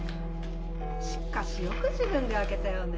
しかしよく自分で開けたよね。